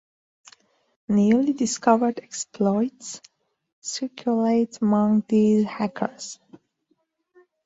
Newly discovered exploits circulate among these hackers.